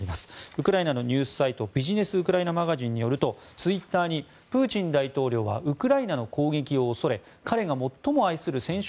ウクライナのニュースサイトビジネスウクライナマガジンによるとツイッターに、プーチン大統領はウクライナの攻撃を恐れ彼が最も愛する戦勝